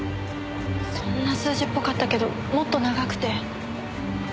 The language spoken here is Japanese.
そんな数字っぽかったけどもっと長くて。